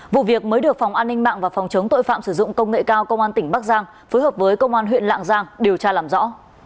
vụ việc mới được phòng an ninh mạng và phòng chống tội phạm sử dụng công nghệ cao công an tỉnh bắc giang phối hợp với công an huyện lạng giang điều tra làm rõ